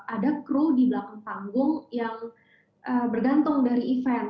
ada kru di belakang panggung yang bergantung dari event